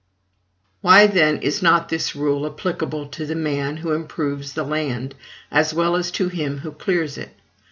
Why, then, is not this rule applicable to the man who improves the land, as well as to him who clears it?